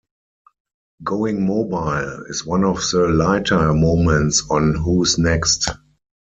"Going Mobile" is one of the lighter moments on "Who's Next".